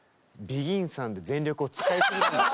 ＢＥＧＩＮさんで全力を使いすぎですよ。